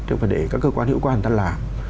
thì phải để các cơ quan hữu quan ta làm